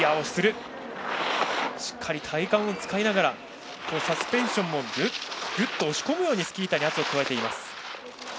しっかり体幹を使いながらサスペンションもぐっと押し込むようにスキー板に圧を加えています。